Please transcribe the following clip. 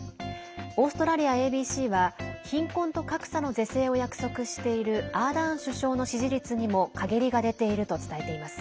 オーストラリアＡＢＣは貧困と格差の是正を約束しているアーダーン首相の支持率にもかげりが出ていると伝えています。